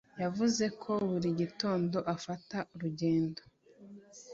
Yavuze ko buri gitondo afata urugendo.